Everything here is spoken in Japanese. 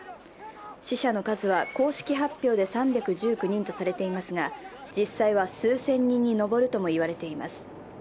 死者の数は公式発表で３１９人とされていますが、実際は数千人に上るとも言われています。